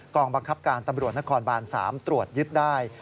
บังคับการตำรวจนครบาน๓ตรวจยึดได้